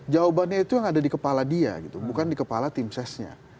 jawabannya itu yang ada di kepala dia gitu bukan di kepala tim sesnya